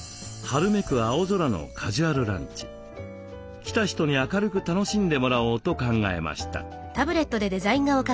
来た人に明るく楽しんでもらおうと考えました。